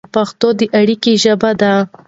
پښتو د اړیکو ژبه ده.